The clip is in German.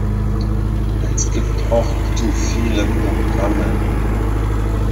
Es gibt auch zu viele Programme.